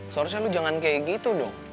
seharusnya lo jangan kayak gitu dok